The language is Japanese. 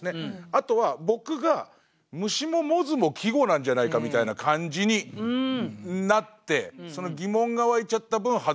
あとは僕が「虫」も「百舌鳥」も季語なんじゃないかみたいな感じになってその疑問が湧いちゃった分外してる。